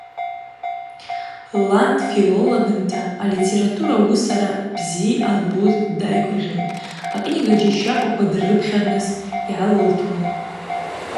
Лан дфилологынта литература, уысара бзи йъалбуз дайгвыргъьун, акнига джьащахъваква дрыпхьарныс йгӏалылтуан.